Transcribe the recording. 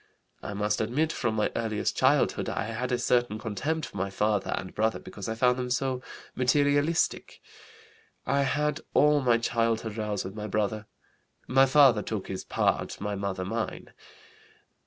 I must admit from my earliest childhood I had a certain contempt for my father and brother because I found them so materialistic. I had all my childhood rows with my brother. My father took his part, my mother mine.